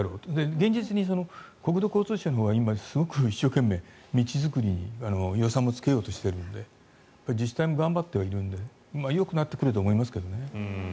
現実に国土交通省のほうが今、すごく一生懸命道作りに予算もつけようとしているので自治体も頑張ってはいるのでよくなってくると思いますけど。